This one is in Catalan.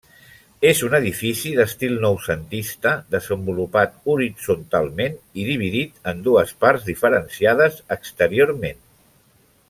És un edifici d'estil noucentista desenvolupat horitzontalment i dividit en dues parts diferenciades exteriorment.